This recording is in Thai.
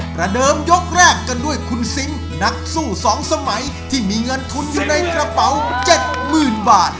ประเดิมยกแรกกันด้วยคุณซิงค์นักสู้๒สมัยที่มีเงินทุนอยู่ในกระเป๋า๗๐๐๐บาท